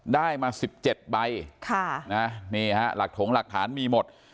ได้มาสิบเจ็ดใบค่ะนี่ฮะหลักถงหลักฐานมีหมด